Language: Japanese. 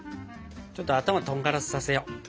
ちょっとアタマとんがらさせよう。